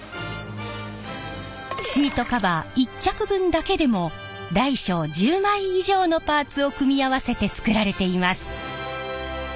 シートカバー１脚分だけでも大小１０枚以上のパーツを組み合わせて作られています。